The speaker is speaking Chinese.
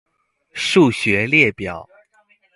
腧穴列表